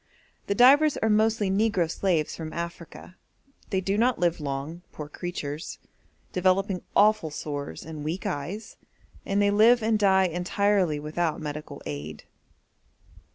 The divers are mostly negro slaves from Africa; they do not live long, poor creatures, developing awful sores and weak eyes, and they live and die entirely without medical aid.